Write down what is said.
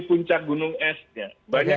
puncak gunung esnya banyak